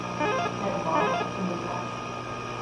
Head large and depressed.